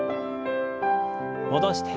戻して。